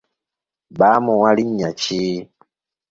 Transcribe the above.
Baamuwa linnya ki?